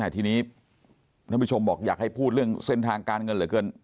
ทีนี้ท่านผู้ชมบอกอยากให้พูดเรื่องเส้นทางการเงินเหลือเกิน